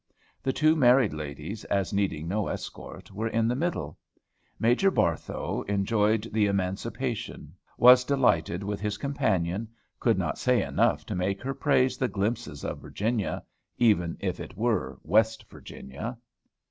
The two married ladies, as needing no escort, were in the middle. Major Barthow enjoyed the emancipation, was delighted with his companion, could not say enough to make her praise the glimpses of Virginia, even if it were West Virginia.